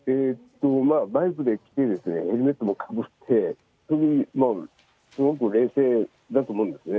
バイクで来て、ヘルメットもかぶって、すごく冷静だと思うんですね。